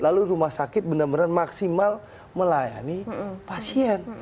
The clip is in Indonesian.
lalu rumah sakit benar benar maksimal melayani pasien